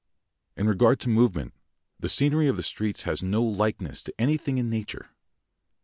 In regard to movement, the scenery of the streets has no likeness to anything in nature.